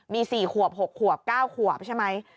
มี๔ขวบ๖ขวบ๙ขวบใช่ไหม